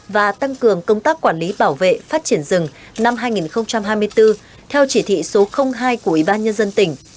và tăng cường công tác quản lý bảo vệ phát triển rừng năm hai nghìn hai mươi bốn theo chỉ thị số hai của ủy ban nhân dân tỉnh